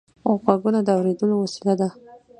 غوږونه د اورېدلو وسیله ده